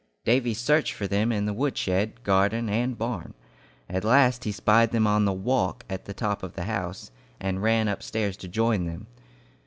Davy searched for them in woodshed, garden, and barn. At last he spied them on the "walk" at the top of the house, and ran upstairs to join them.